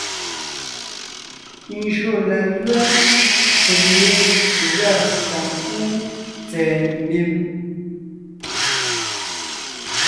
Njÿó la lʉ́a peg yé gʉa ta ńkúu tsɛ̀ɛ mbím,